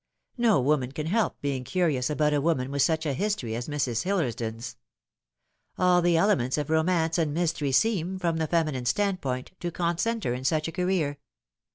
No woman can help being curious about a woman with such a history as Mrs. Hillersdon's. All the elements of romance and mystery seem, from the feminine standpoint, to concentre in such a career.